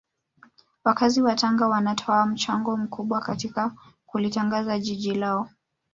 Wakazi wa Tanga wanatoa mchango mkubwa katika kulitangaza jiji lao